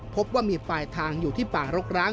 พบว่ามีปลายทางอยู่ที่ป่ารกร้าง